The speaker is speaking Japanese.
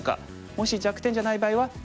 もし弱点じゃない場合は手を抜く。